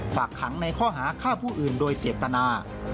ฝากขังในข้อหาฆ่าผู้อื่นโดยเจตนา